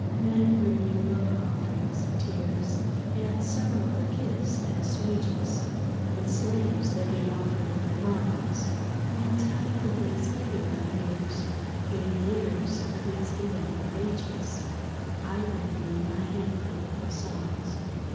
Men bring you love offerings of tears, And sorrow the kiss that assuages, And slaves the hate offering of wrongs, And time the thanksgiving of years, And years the thanksgiving of ages; I bring you my handful of songs.